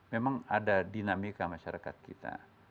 memang ada dinamika masyarakat kita